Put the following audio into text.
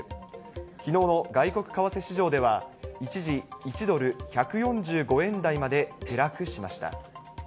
きのうの外国為替市場では、一時、１ドル１４５円台まで下落しました。